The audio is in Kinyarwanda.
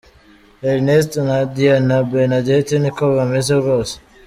Ernest , nadia, na Bernadette niko bameze rwose.